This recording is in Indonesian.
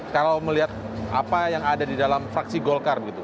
kalau melihat apa yang ada di dalam fraksi golkar begitu